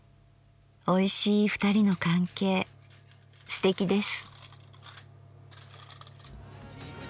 おいしい２人の関係すてきです。